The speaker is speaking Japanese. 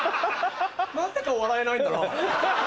なぜか笑えないんだなぁ。